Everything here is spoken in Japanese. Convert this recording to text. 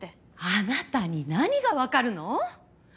あなたに何がわかるの？